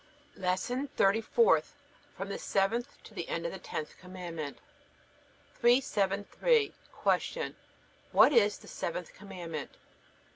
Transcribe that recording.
LESSON THIRTY FOURTH FROM THE SEVENTH TO THE END OF THE TENTH COMMANDMENT 373. Q. What is the seventh Commandment?